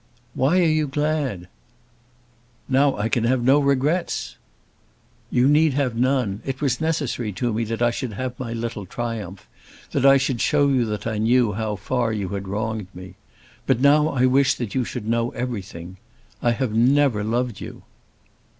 "Why are you glad?" "Now I can have no regrets." "You need have none. It was necessary to me that I should have my little triumph; that I should show you that I knew how far you had wronged me! But now I wish that you should know everything. I have never loved you."